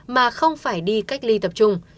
mà không phải đi cách ly tập trung